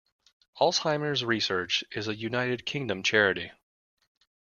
Alzheimer's Research is a United Kingdom charity.